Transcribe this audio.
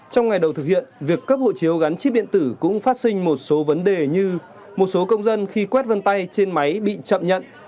trong ngày đầu thực hiện việc cấp hộ chiếu gắn chip điện tử cũng phát sinh một số vấn đề như một số công dân khi quét vân tay trên máy bị chậm nhận